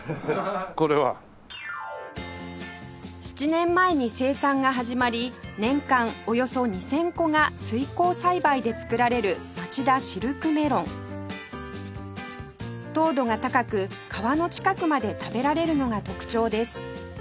７年前に生産が始まり年間およそ２０００個が水耕栽培で作られるまちだシルクメロン糖度が高く皮の近くまで食べられるのが特徴です